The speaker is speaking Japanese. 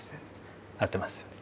合ってますよね。